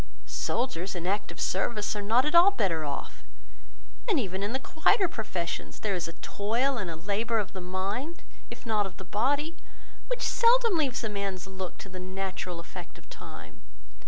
Soldiers, in active service, are not at all better off: and even in the quieter professions, there is a toil and a labour of the mind, if not of the body, which seldom leaves a man's looks to the natural effect of time.